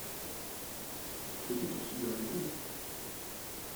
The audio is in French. Veux-tu te figurer le monde ?